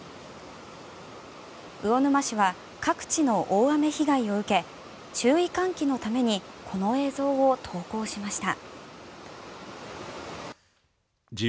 魚沼市は各地の大雨被害を受け注意喚起のためにこの映像を投稿しました。